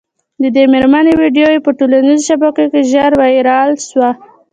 د دې مېرمني ویډیو په ټولنیزو شبکو کي ژر وایرل سوه